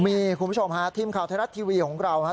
มีคุณผู้ชมห่าทีมข่าวไทยรัตน์ทีวีของเราฮะ